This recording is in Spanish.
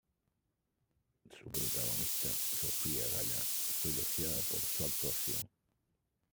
Su protagonista Sofía Gala fue muy elogiada por su actuación.